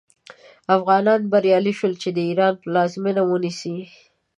افغانان بریالي شول چې د ایران پلازمینه ونیسي.